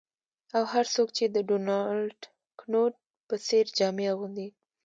او هر څوک چې د ډونالډ کنوت په څیر جامې اغوندي